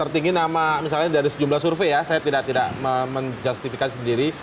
tertinggi nama misalnya dari sejumlah survei ya saya tidak menjustifikasi sendiri